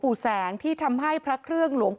เพราะทนายอันนันชายเดชาบอกว่าจะเป็นการเอาคืนยังไง